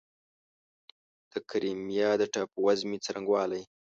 د کریمیا د ټاپووزمې څرنګوالی